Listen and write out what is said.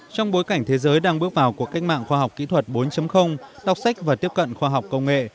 trong bối cảnh thế giới đang bước vào cuộc cách mạng khoa học kỹ thuật bốn đọc sách và tiếp cận khoa học công nghệ